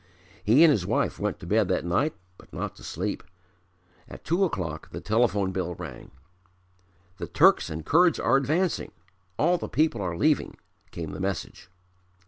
He and his wife went to bed that night but not to sleep. At two o'clock the telephone bell rang. "The Turks and Kurds are advancing; all the people are leaving," came the message.